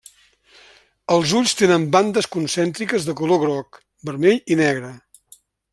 Els ulls tenen bandes concèntriques de color groc, vermell i negre.